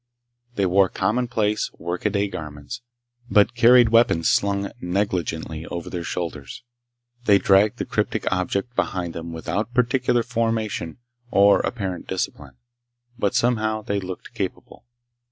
They wore commonplace, workaday garments, but carried weapons slung negligently over their shoulders. They dragged the cryptic object behind them without particular formation or apparent discipline, but somehow they looked capable.